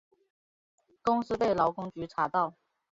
公司被劳工局查到